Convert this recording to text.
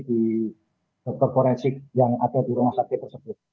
di dokter forensik yang ada di rumah sakit tersebut